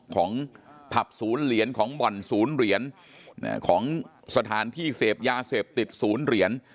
ของผับศูนย์เหรียญของบ่อนศูนย์เหรียญของสถานที่เสพยาเสพติดศูนย์เหรียญ